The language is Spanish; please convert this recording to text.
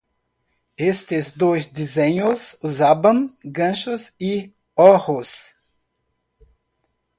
Estos dos diseños usaban ganchos y ojos.